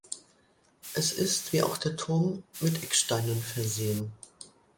Es ist wie auch der Turm mit Ecksteinen versehen.